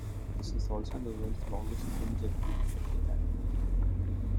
This was also the world's longest twin-jet route at the time.